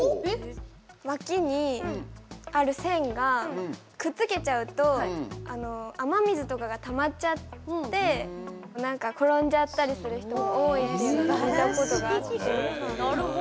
脇にある線がくっつけちゃうと雨水とかが、たまっちゃって転んじゃったりする人も多いっていうのを聞いたことがあって。